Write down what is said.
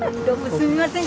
すみません